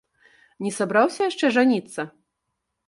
Не сабраўся яшчэ жаніцца?